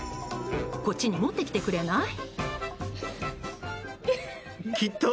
こっちに持ってきてくれない？